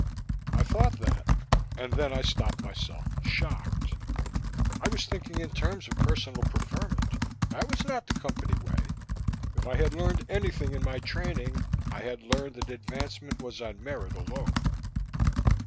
I thought that and then I stopped myself, shocked. I was thinking in terms of personal preferment. That was not the Company way! If I had learned anything in my training, I had learned that Advancement was on merit alone.